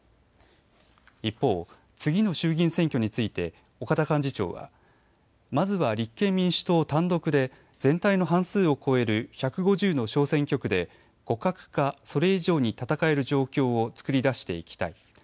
一方、次の衆議院選挙について岡田幹事長はまずは立憲民主党単独で全体の半数を超える１５０の小選挙区で互角かそれ以上に戦える状況をつくり出していきたい。